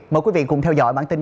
mời quý vị cùng theo dõi bản tin